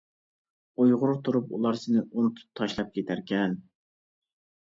ئۇيغۇر تۇرۇپ ئۇلار سېنى، ئۇنتۇپ، تاشلاپ كېتەركەن.